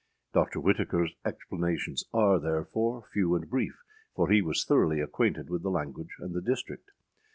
Dr. Whitakerâs explanations are, therefore, few and brief, for he was thoroughly acquainted with the language and the district.